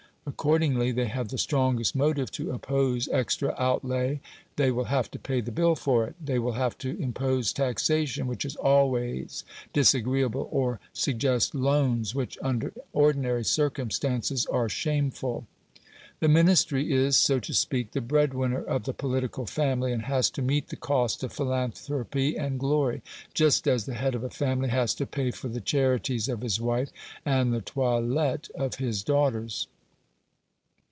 Accordingly, they have the strongest motive to oppose extra outlay. They will have to pay the bill for it; they will have to impose taxation, which is always disagreeable, or suggest loans, which, under ordinary circumstances, are shameful. The Ministry is (so to speak) the bread winner of the political family, and has to meet the cost of philanthropy and glory, just as the head of a family has to pay for the charities of his wife and the toilette of his daughters.